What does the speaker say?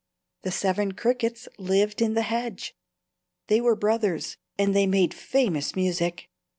The Seven Crickets lived in the hedge. They were brothers, and they made famous music.